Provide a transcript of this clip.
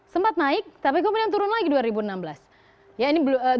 sempat naik tapi kemudian turun lagi dua ribu enam belas